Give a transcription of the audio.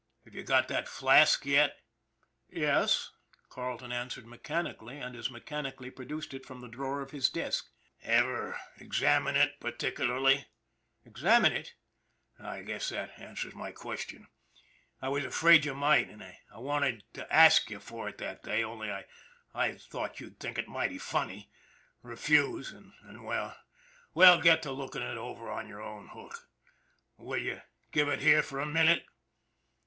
Have you got that flask yet ?"" Yes," Carleton answered mechanically, and as mechanically produced it from the drawer of his desk. " Ever examine it particularly ?" "Examine it?" " I guess that answers my question. I was afraid you might, and I wanted to ask you for it that day, only I thought you'd think it mighty funny, refuse, and well well, get to looking it over on your own hook. Will you give it here for a minute